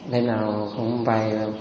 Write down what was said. lên nào cũng vậy